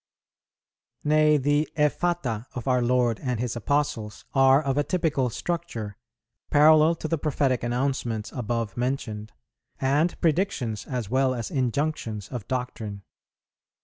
Nay, the effata of our Lord and His Apostles are of a typical structure, parallel to the prophetic announcements above mentioned, and predictions as well as injunctions of doctrine.